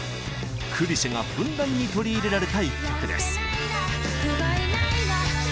クリシェがふんだんに取り入れられた一曲です。